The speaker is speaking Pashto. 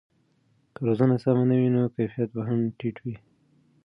که روزنه سمه نه وي نو کیفیت به هم ټیټ وي.